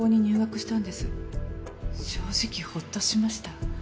正直ホッとしました。